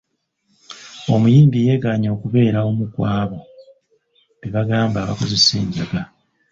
Omuyimbi yegaanye okubeera omu ku abo be bagamba abakozesa enjaga.